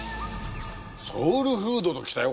ソウルフードときたよ